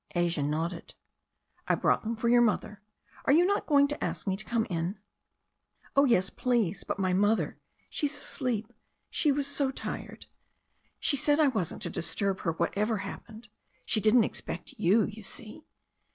Asia nodded. "I brought them for your mother. Are you not going to ask me to come in?" "Oh, yes, please. But my mother, she's asleep. She was so tired. She said I wasn't to disturb her whatever hap pened. She didn't expect you, you see.